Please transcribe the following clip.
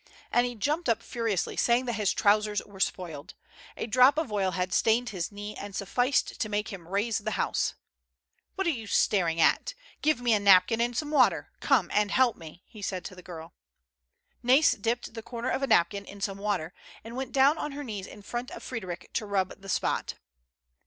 And he jumped up furiously, saying that his trousers were spoiledf A drop of oil had stained his knee, and sufficed to make him raise the house. "What are you staring at? Give me a napkin and some water. Come and help me," he said to the girl. Nais dipped the corner of a napkin in some water, and went down on her knees in front of Frederic to rub the spot.